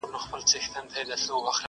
لاس دي رانه کړ اوبو چي ډوبولم!